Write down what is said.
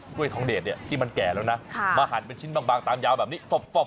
้วยทองเดชเนี่ยที่มันแก่แล้วนะมาหั่นเป็นชิ้นบางตามยาวแบบนี้